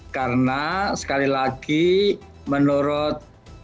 karena sekali lagi menurut